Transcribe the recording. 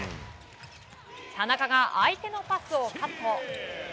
田中が相手のパスをカット。